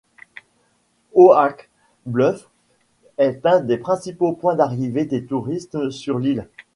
Oak Bluffs est un des principaux points d'arrivée des touristes sur l'île.